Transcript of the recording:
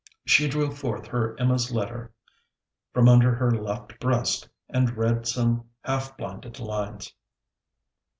She drew forth her Emma's letter from under her left breast, and read some half blinded lines.